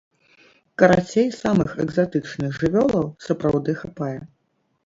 Карацей, самых экзатычных жывёлаў сапраўды хапае.